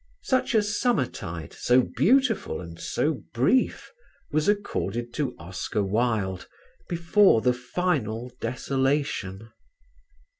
Such a summertide, so beautiful and so brief, was accorded to Oscar Wilde before the final desolation.